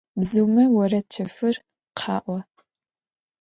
Бзыумэ орэд чэфыр къаӀо.